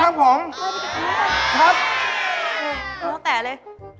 ครับโอ้โฮแตะเลย